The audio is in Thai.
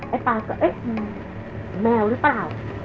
ไอ้ปลาก็เอ๊ะแมวรึเปล่า